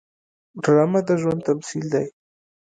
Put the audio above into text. ډرامه د ژوند تمثیل دی